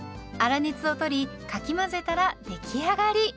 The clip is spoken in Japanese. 粗熱を取りかき混ぜたら出来上がり。